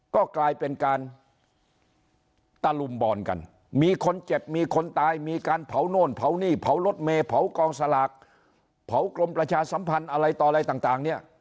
ก็กลายเป็นการตะลุมบอลกันมีคนเจ็บมีคนตายมีการเผาโน่นเผานี่เผารถเมย์เผากองสลากเผากรมประชาสัมพันธ์อะไรต่ออะไรต่างเนี่ย